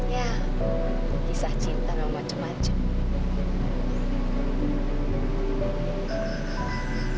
ya kisah cinta dan macam macam